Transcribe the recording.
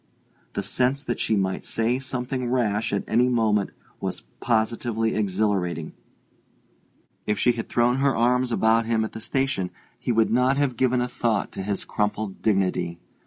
The sense that she might say something rash at any moment was positively exhilarating: if she had thrown her arms about him at the station he would not have given a thought to his crumpled dignity.